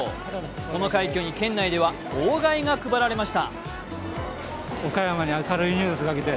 この快挙に県内では号外が配られました。